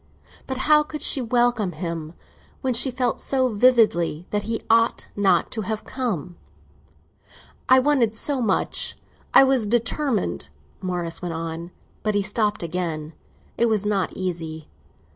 But how could she welcome him when she felt so vividly that he ought not to have come? "I wanted so much—I was determined," Morris went on. But he stopped again; it was not easy.